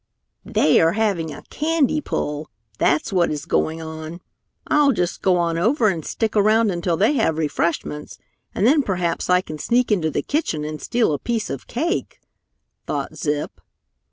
"They are having a candy pull. That's what is going on! I'll just go over and stick around until they have refreshments, and then perhaps I can sneak into the kitchen and steal a piece of cake," thought Zip.